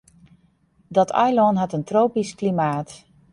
Dat eilân hat in tropysk klimaat.